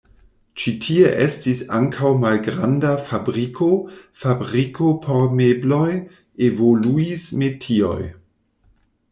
Ĉi tie estis ankaŭ malgranda fabriko, fabriko por mebloj, evoluis metioj.